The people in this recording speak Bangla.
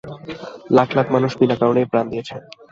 লাখ লাখ মানুষ বিনা কারণেই প্রাণ দিয়েছে।